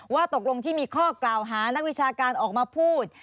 ว่าตกลงที่มีข้อกล่าวหานักวิชาการออกมาพูด